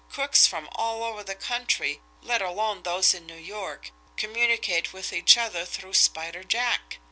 Crooks from all over the country, let alone those in New York, communicate with each other through Spider Jack.